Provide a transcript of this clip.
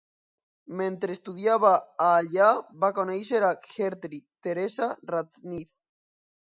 Mentre estudiava a allà va conèixer a Gerty Theresa Radnitz.